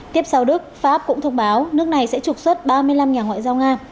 tiếp sau đức pháp cũng thông báo nước này sẽ trục xuất ba mươi năm nhà ngoại giao nga